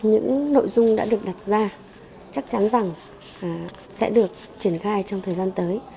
những nội dung đã được đặt ra chắc chắn rằng sẽ được triển khai trong thời gian tới